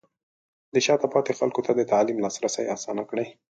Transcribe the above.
د شاته پاتې خلکو ته د تعلیم لاسرسی اسانه کړئ.